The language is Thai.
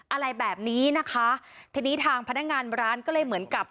อะไรแบบนี้นะคะทีนี้ทางพนักงานร้านก็เลยเหมือนกับ